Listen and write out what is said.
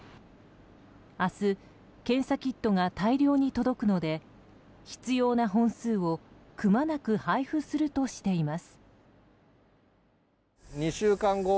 明日、検査キットが大量に届くので必要な本数をくまなく配布するとしています。